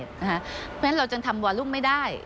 เพราะฉะนั้นเราจะทำวาลุ่มไม่ได้